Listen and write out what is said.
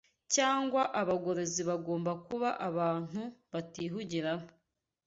cyangwa abagorozi bagomba kuba abantu batihugiraho